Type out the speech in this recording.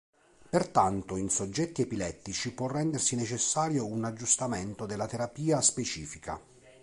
Pertanto in soggetti epilettici può rendersi necessario un aggiustamento della terapia specifica.